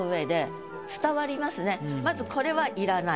まずこれはいらない。